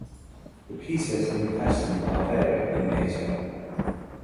The pieces in question are varied in nature.